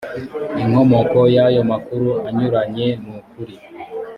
inkomoko y ayo makuru anyuranye n ukuri